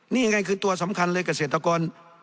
นี่ยังไงคือตัวสำคัญเลยเกษตรกร